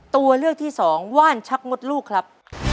ตัวเลือกที่สองว่านชักมดลูกครับ